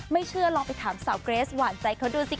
ไม่เชื่อลองไปถามสาวเกรสหวานใจเขาดูสิ